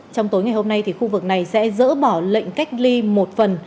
trong tối ngày hôm nay khu vực này sẽ dỡ bỏ lệnh cách ly một phần